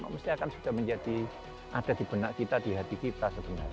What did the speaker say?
mesti akan sudah menjadi ada di benak kita di hati kita sebenarnya